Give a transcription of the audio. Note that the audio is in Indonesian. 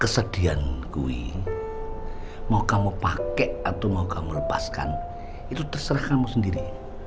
kesedihankui mau kamu pakai atau mau kamu lepaskan itu terserah kamu sendiri